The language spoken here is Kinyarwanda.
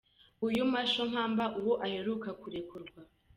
Nguyu Masho Mampa ubwo aheruka kurekurwa.